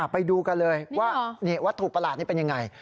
ไปดูกันเลยวัตถุประหลาดนี้เป็นอย่างไร